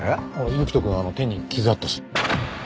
行人くん手に傷あったし。